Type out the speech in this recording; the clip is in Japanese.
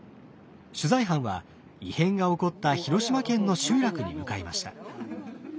取材班は異変が起こった広島県の集落に向かいました。